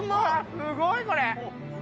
すごいこれ。